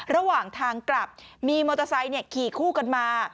ระหว่างทางกลับมีมอเตอร์ไซค์ขี่คู่กันมา